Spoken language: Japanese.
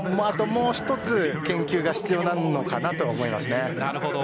もう一つ研究が必要なのかなと思います。